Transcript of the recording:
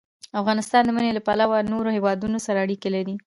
افغانستان د منی له پلوه له نورو هېوادونو سره اړیکې لري.